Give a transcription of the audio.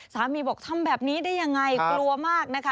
สามีบอกทำแบบนี้ได้ยังไงกลัวมากนะคะ